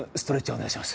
お願いします